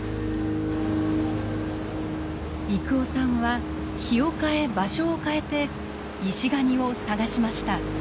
征夫さんは日を変え場所を変えてイシガニを探しました。